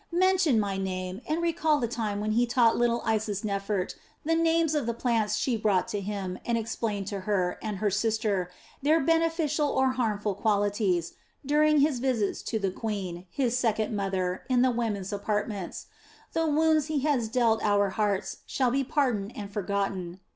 Mention my name and recall the time when he taught little Isisnefert the names of the plants she brought to him and explained to her and her sister their beneficial or their harmful qualities, during his visits to the queen, his second mother, in the women's apartments. The wounds he has dealt our hearts shall be pardoned and forgotten.